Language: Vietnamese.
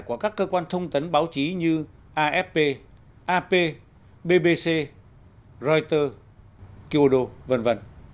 của các cơ quan thông tấn báo chí như afp ap bbc reuters kyodo v v